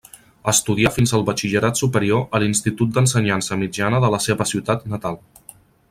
Estudià fins al batxillerat superior a l'institut d'ensenyança mitjana de la seva ciutat natal.